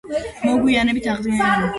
მოგვიანებით აღდგენილია კამარა.